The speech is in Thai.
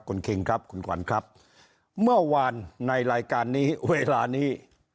คุณคิงครับคุณขวัญครับเมื่อวานในรายการนี้เวลานี้